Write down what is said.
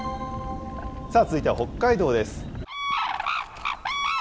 さあ、続いては北海道です。